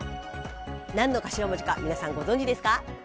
何の頭文字か皆さんご存じですか？